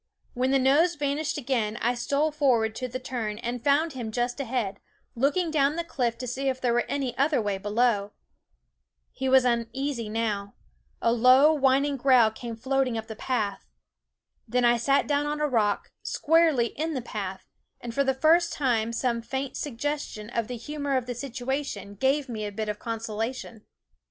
When the nose vanished again I stole forward to the turn and found him just ahead, looking down the cliff to see if there were any other way below. He was uneasy now ; a low, whining growl came floating up the path. Then I sat down on a rock, squarely in the path, and for the first time some faint suggestion of the humor of the situation gave me a bit of consolation.